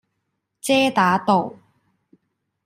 遮打道